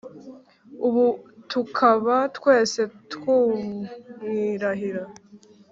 ubu tukaba twese tumwirahira.